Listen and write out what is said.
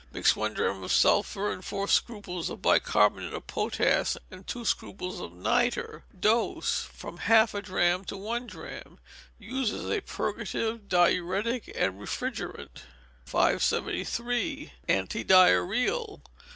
Mix one drachm of sulphur with four scruples of bicarbonate of potash, and two scruples of nitre. Dose, from half a drachm to one drachm. Use as a purgative, diuretic, and refrigerant. 573. Anti Diarrhoeal.